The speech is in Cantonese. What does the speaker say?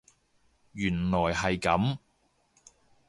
原來係咁